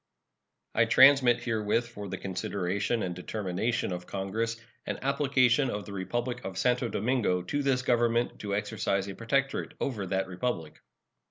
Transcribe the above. I transmit herewith, for the consideration and determination of Congress, an application of the Republic of Santo Domingo to this Government to exercise a protectorate over that Republic.